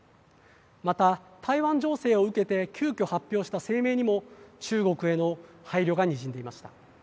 また、台湾情勢を受けて急きょ発表した声明にも中国への配慮がにじんでいました。